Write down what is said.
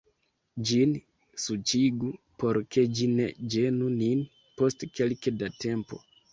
Ĝin suĉigu, por ke ĝi ne ĝenu nin, post kelke da tempo.